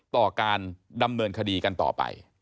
ต่อการดำเนินคดีกันต่อไป